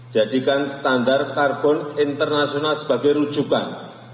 jadikan standar karbon internasional sebagai rujukan